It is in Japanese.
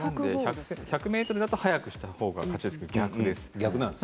１００ｍだと速くしたほうが勝ちですけど、逆です。